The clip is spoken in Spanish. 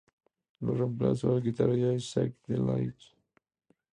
Lo reemplazó el guitarrista Isaac Delahaye.